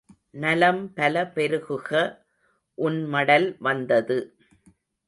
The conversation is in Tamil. நலம் பல பெருகுக, உன் மடல் வந்தது.